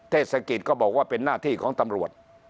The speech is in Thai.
เทศกิจก็บอกว่าเป็นหน้าที่ของตำรวจ